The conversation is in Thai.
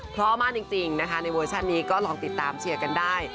เพราะมากจริงนะคะในเวอร์ชันนี้ก็ลองติดตามเชียร์กันได้